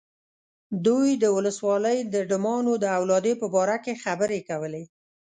دوی د ولسوالۍ د ډمانو د اولادې په باره کې خبرې کولې.